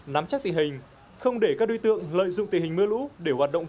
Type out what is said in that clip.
nắm chắc tình hình không để các đối tượng lợi dụng tình hình mưa lũ